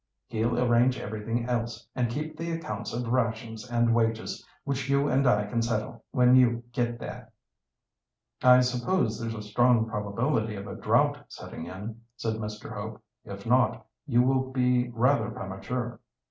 He'll arrange everything else and keep the accounts of rations and wages, which you and I can settle when you get there." "I suppose there's a strong probability of a drought setting in," said Mr. Hope; "if not, you will be rather premature."